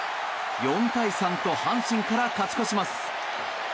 ４対３と阪神から勝ち越します。